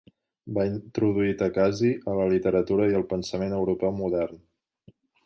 Va introduir Thakazhi a la literatura i el pensament europeu modern.